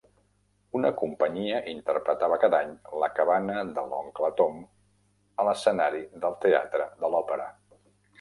Una companyia interpretava cada any "La cabana de l'oncle Tom" a l'escenari del Teatre de l'Òpera.